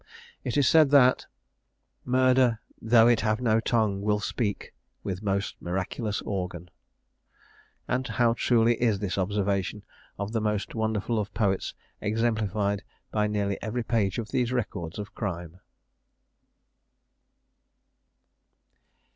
It is said that " Murder! though it have no tongue, will speak With most miraculous organ:" and how truly is this observation of the most wonderful of poets exemplified by nearly every page of these records of crime!